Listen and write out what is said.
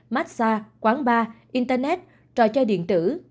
massage quán bar internet trò chơi điện tử